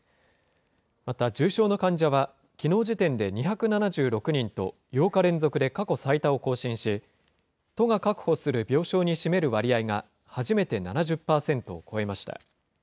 また重症の患者は、きのう時点で２７６人と、８日連続で過去最多を更新し、都が確保する病床に占める割合が、初めて７０％を超えました。